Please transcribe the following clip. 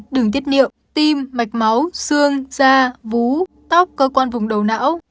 đường tiết niệu tim mạch máu xương da vú tóc cơ quan vùng đầu não